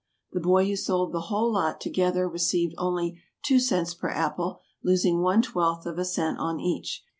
The boy who sold the whole lot together received only two cents per apple, losing one twelfth of a cent on each.